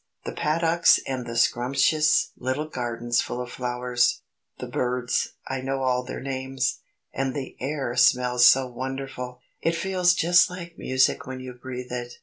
The paddocks and the scrumptious little gardens full of flowers; the birds I know all their names and the air smells so wonderful, it feels just like music when you breathe it."